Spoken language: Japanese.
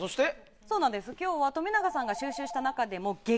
今日は冨永さんが収集した中で激